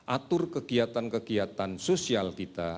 atur kegiatan kegiatan sosial kita